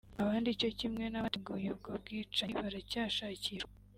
abandi cyo kimwe n’abateguye ubwo bwicanyi baracyashakishwa